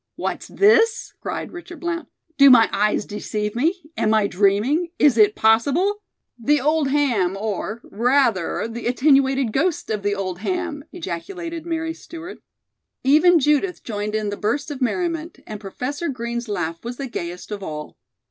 "What's this?" cried Richard Blount. "Do my eyes deceive me? Am I dreaming? Is it possible " "The old ham, or, rather, the attenuated ghost of the old ham!" ejaculated Mary Stewart. Even Judith joined in the burst of merriment, and Professor Green's laugh was the gayest of all.